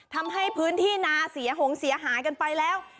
ทำให้พื้นที่นาเสียหงเสียหายกันไปแล้ว